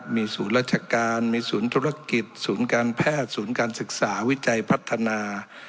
มีศูนย์ราชการมีศูนย์ธุรกิจศูนย์การแพทย์ศูนย์การศึกษาวิจัยพัฒนา